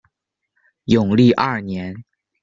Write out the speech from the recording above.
永历二年。